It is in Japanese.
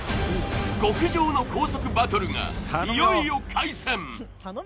極上の高速バトルがいよいよ開戦。